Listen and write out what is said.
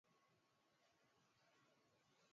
nchini humo amezishitumu vikali marekani na ufaransa